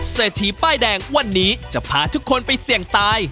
เศรษฐีป้ายแดงวันนี้จะพาทุกคนไปเสี่ยงตาย